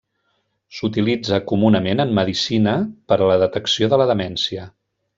S'utilitza comunament en medicina per a la detecció de la demència.